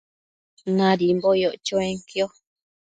Nadimbo yoc chuenquio